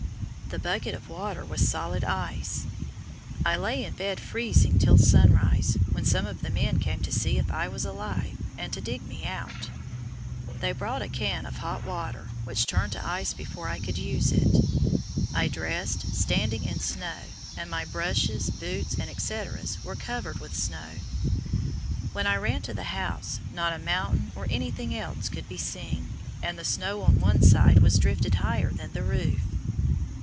The bucket of water was solid ice. I lay in bed freezing till sunrise, when some of the men came to see if I "was alive," and to dig me out. They brought a can of hot water, which turned to ice before I could use it. I dressed standing in snow, and my brushes, boots, and etceteras were covered with snow. When I ran to the house, not a mountain or anything else could be seen, and the snow on one side was drifted higher than the roof.